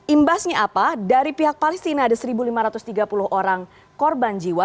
imbasnya apa dari pihak palestina ada satu lima ratus tiga puluh orang korban jiwa